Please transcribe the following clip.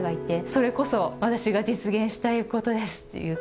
それこそ私が実現したいことですっていう。